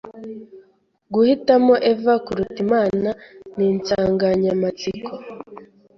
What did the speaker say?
guhitamo Eva kuruta Imana ninsanganyamatsiko